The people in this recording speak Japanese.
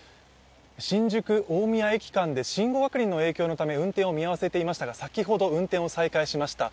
新宿−大宮駅間で信号確認の影響で運転を見合わせていましたが、先ほど運転を再開しました。